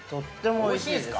◆おいしいんですか。